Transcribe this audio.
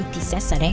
thị xã sà đét